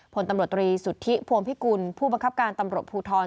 ผลตำรวจตรีสุทธิพวงพิกุลผู้บังคับการตำรวจภูทร